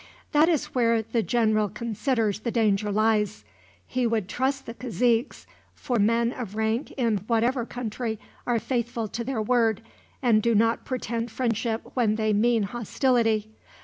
"That is where the general considers the danger lies. He would trust the caziques, for men of rank in whatever country are faithful to their word, and do not pretend friendship when they mean hostility.